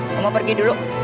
udah mama pergi dulu